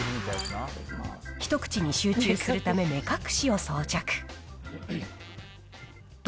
一口に集中するため、目隠しを装着。